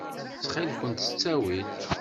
Ttxil-kent s ttawil.